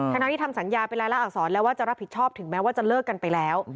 ทั้งที่ทำสัญญาเป็นรายละอักษรแล้วว่าจะรับผิดชอบถึงแม้ว่าจะเลิกกันไปแล้ว